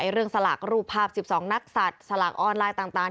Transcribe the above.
เรื่องสลากรูปภาพ๑๒นักสัตว์สลากออนไลน์ต่าง